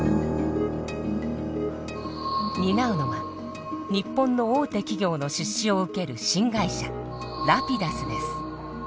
担うのは日本の大手企業の出資を受ける新会社ラピダスです。